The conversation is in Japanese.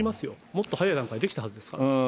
もっと早い段階でできたはずですから。